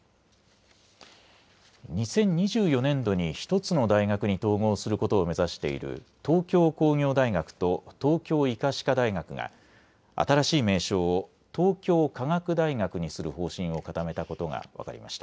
２０２４年度に１つの大学に統合することを目指している東京工業大学と東京医科歯科大学が新しい名称を東京科学大学にする方針を固めたことが分かりました。